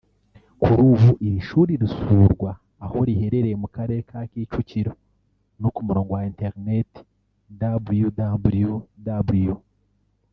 Kuri ubu iri shuri risurwa aho riherereye mu karere ka Kicukiro no ku murongo wa Interineti www